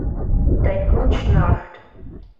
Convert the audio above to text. Dein Hund schnarcht!